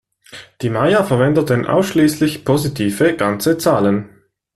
Die Maya verwendeten ausschließlich positive ganze Zahlen.